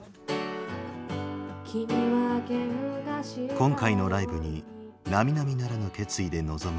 今回のライブになみなみならぬ決意で臨む